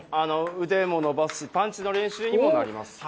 腕も伸ばすし、パンチの練習にもなります。